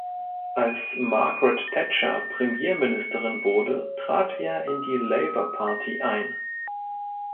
Als Margaret Thatcher Premierministerin wurde trat er in die Labour Party ein.